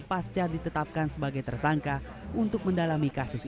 pasca ditetapkan sebagai tersangka untuk mendalami kasus ini